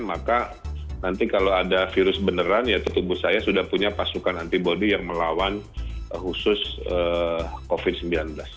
maka nanti kalau ada virus beneran yaitu tubuh saya sudah punya pasukan antibody yang melawan khusus covid sembilan belas